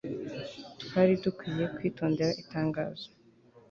twari dukwiye kwitondera itangazo